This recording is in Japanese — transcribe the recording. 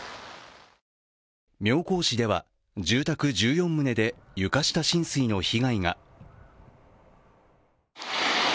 妙高市では住宅１４棟で床下浸水の被害が。